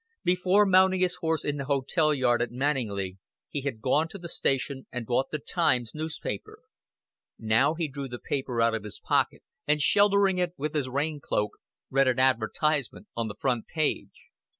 Before mounting his horse in the hotel yard at Manninglea he had gone to the station and bought The Times newspaper; now he drew the paper out of his pocket, and sheltering it with his rain cloak, read an advertisement on the front page.